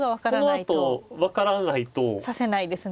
このあと分からないと指せないですよね。